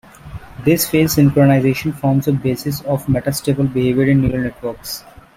This phase synchronization forms the basis of metastable behavior in neural networks.